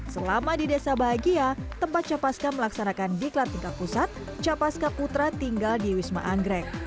selama di desa bahagia tempat capaska melaksanakan diklat tingkat pusat capaska putra tinggal di wisma anggrek